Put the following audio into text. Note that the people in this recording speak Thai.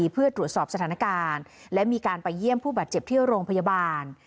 เพื่อตรวจสอบสถานการณ์และมีการไปเยี่ยมผู้บาดเจ็บที่โรงพยาบาล